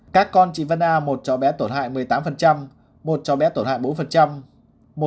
các con chị vân a một cho bé tổn hại một mươi tám một cho bé tổn hại bốn